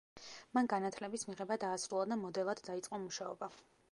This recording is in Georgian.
მან განათლების მიღება დაასრულა და მოდელად დაიწყო მუშაობა.